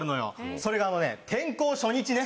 それがあのね転校初日ね。